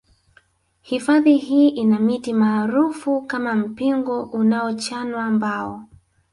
Hifadhi hii ina miti maarufu kama mpingo unaochanwa mbao